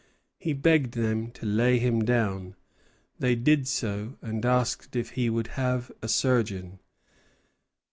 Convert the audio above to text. He begged them to lay him down. They did so, and asked if he would have a surgeon.